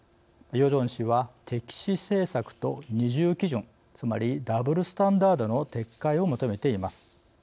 ヨジョン氏は敵視政策と二重基準つまりダブルスタンダードの撤回を求めています。